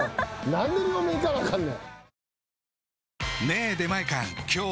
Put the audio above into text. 何で両目いかなあかんねん。